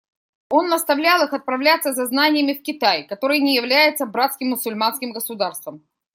Он наставлял их отправляться за знаниями в Китай, который не является братским мусульманским государством.